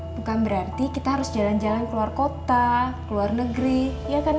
bukan berarti kita harus jalan jalan keluar kota keluar negeri ya kan